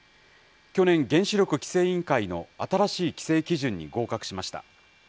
去年、原子力規制委員会の新しい規制基準に合格しました。